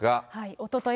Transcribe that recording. おととい